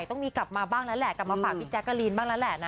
ต้องมีกลับมาบ้างแล้วแหละกลับมาฝากพี่แจ๊กกะลีนบ้างแล้วแหละนะ